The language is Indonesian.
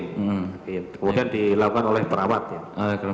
kemudian dilakukan oleh perawat ya